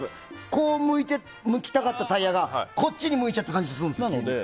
こう向きたかったタイヤがこっちにむいちゃった感じがするんです。